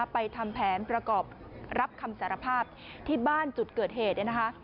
ไปทำแผนประกอบรับคำสารภาพที่บ้านจุดเกิดเหตุ